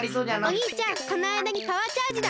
おにいちゃんこのあいだにパワーチャージだ！